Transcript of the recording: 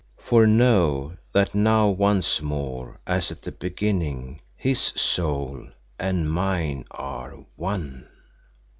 For know that now once more as at the beginning, his soul and mine are one."